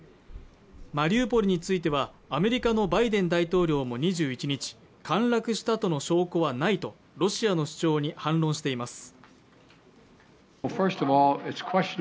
マリウポリについてはアメリカのバイデン大統領も２１日陥落したとの証拠はないとロシアの主張に反論しています